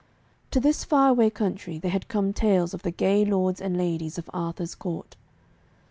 To this far away country there had come tales of the gay lords and ladies of Arthur's court.